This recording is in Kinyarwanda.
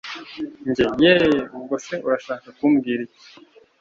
njye yeeeeh! ubwo se urashaka kumbwira iki!